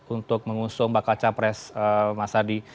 untuk mengusung bakal capres mas adi